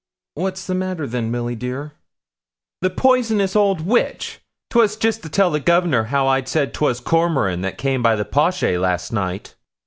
'What's the matter then, Milly dear?' 'The poisonous old witch! 'Twas just to tell the Gov'nor how I'd said 'twas Cormoran that came by the po'shay last night.'